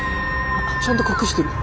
ちゃんと隠してる。